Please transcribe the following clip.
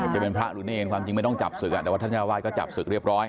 จะเป็นพระรุเนรความจริงไม่ต้องจับศึกอ่ะแต่วัฒนญาวาดก็จับศึกเรียบร้อย